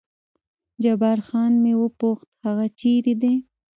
جبار خان مې وپوښت هغه چېرې دی؟